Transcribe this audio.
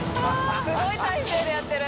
すごい体勢でやってる。